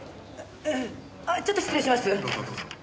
あっちょっと失礼します。